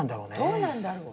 どうなんだろう